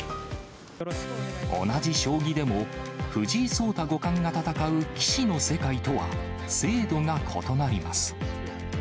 同じ将棋でも、藤井聡太五冠が戦う棋士の世界とは、制度が異なります。